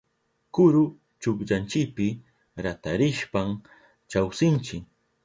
Kuru chukchanchipi ratarishpan chawsinchi.